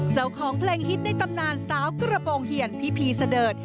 เจ้าของเพลงฮิตในตำนานสาวกระโปรงเหี่ยนพี่พีเสดิร์ด